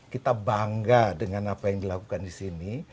kita bangga dengan apa yang dilakukan di sini